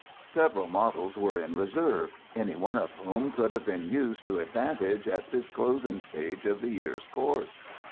Several models were in reserve, any one of whom could have been used to advantage at this closing stage of the year's course.